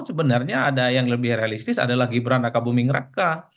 sebenarnya ada yang lebih realistis adalah gibran raka buming raka